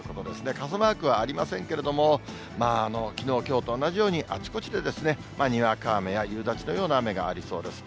傘マークはありませんけれども、きのうきょうと同じように、あちこちでにわか雨や夕立のような雨がありそうです。